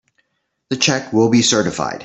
The check will be certified.